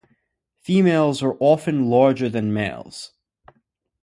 Females are often larger than males.